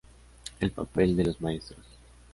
El papel de los maestros.